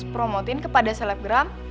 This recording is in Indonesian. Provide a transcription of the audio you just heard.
promotin kepada selebgram